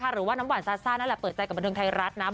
หรือว่าน้ำหวานซาซ่านั่นแหละเปิดใจกับบันเทิงไทยรัฐนะ